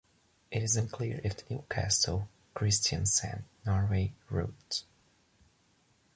It is unclear if the Newcastle-Kristiansand, Norway, route.